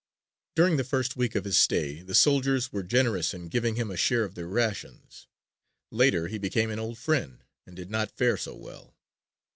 During the first week of his stay the soldiers were generous in giving him a share of their rations. Later he became an old friend and did not fare so well.